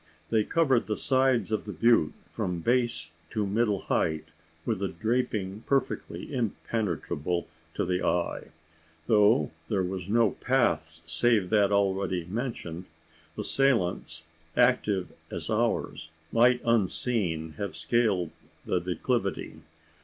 They covered the sides of the butte, from base to middle height, with a draping perfectly impenetrable to the eye. Though there was no path save that already mentioned, assailants, active as ours, might unseen have scaled the declivity.